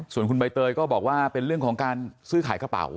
ส่วนคุณใบเตยก็บอกว่าเป็นเรื่องของการซื้อขายกระเป๋า